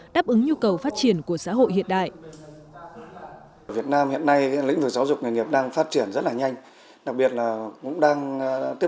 đáp ứng nhu cầu phát triển của xã hội hiện đại